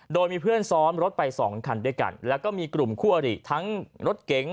โดยมีเพื่อนซ้อนรถไปสองคันด้วยกันแล้วก็มีกลุ่มคู่อริทั้งรถเก๋ง